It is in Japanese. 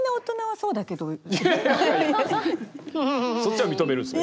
そっちは認めるんですね。